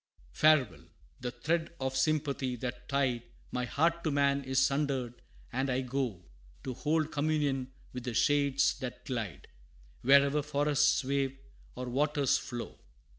XIX. "Farewell! the thread of sympathy that tied My heart to man is sundered, and I go To hold communion with the shades that glide, Wherever forests wave, or waters flow.